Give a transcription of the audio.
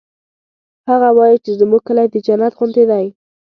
هغه وایي چې زموږ کلی د جنت غوندی ده